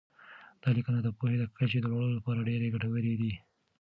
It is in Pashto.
دا لیکنې د پوهې د کچې د لوړولو لپاره ډېر ګټورې دي.